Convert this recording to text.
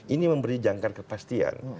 ini memberi jangka kepastian